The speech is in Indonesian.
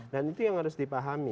dan itu yang harus dipahami